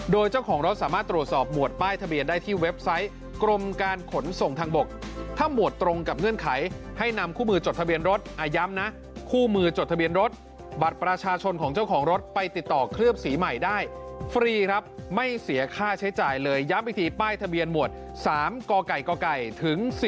โดยเจ้าของรถสามารถตรวจสอบหมวดป้ายทะเบียนได้ที่เว็บไซต์